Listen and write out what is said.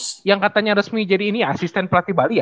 mas yang katanya resmi jadi ini asisten pelatih bali ya